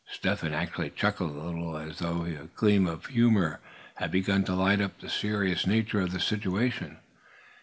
Step Hen actually chuckled a little, as though a gleam of humor had begun to light up the serious nature of the situation.